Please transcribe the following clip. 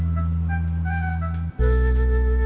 sandung yang sedang dibimbing